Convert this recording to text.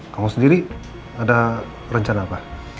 kamu sendiri ada rencana apa